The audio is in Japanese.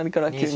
はい。